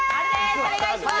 お願いします。